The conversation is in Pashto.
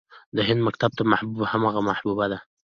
د هندي مکتب محبوب همغه محبوبه ده